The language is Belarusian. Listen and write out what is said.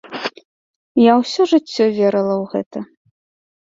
Я ўсё жыццё верыла ў гэта.